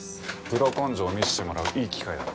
プロ根性を見せてもらういい機会だな。